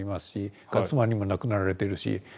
それから妻にも亡くなられているし。